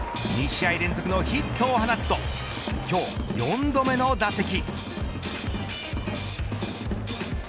２試合連続のヒットを放つと今日、４度目の打席。